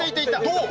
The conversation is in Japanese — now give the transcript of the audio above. どう？